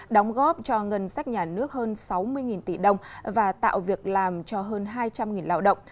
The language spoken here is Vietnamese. đóng góp cho ngân sách nhà nước hơn sáu mươi tỷ đồng và tạo việc làm cho hơn hai trăm linh lao động